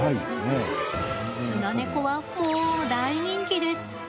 スナネコは、もう大人気です。